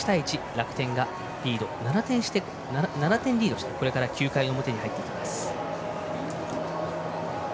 楽天が７点リードしてこれから９回の表に入っていきます。